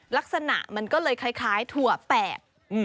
ลักษณะมันก็เลยคล้ายถั่วแปลก